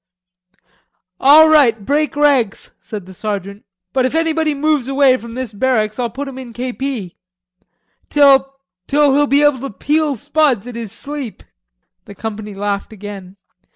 "All right, break ranks," said the sergeant, "but if anybody moves away from this barracks, I'll put him in K. P. Till till he'll be able to peel spuds in his sleep." The company laughed again.